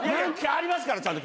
ありますからちゃんと。